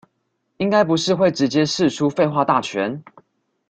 應該不是會直接釋出廢話大全